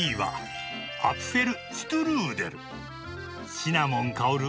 シナモン香る